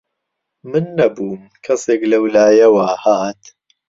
من نەبووم، کەسێک لەولایەوە هات